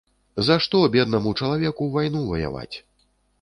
За што беднаму чалавеку вайну ваяваць?